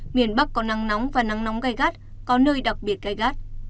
miền bắc có nắng nóng và nắng nóng gai gắt có nơi đặc biệt gai gắt